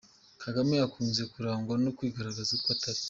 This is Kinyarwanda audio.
Kagame akunze kurangwa no kwigaragaza uko atari.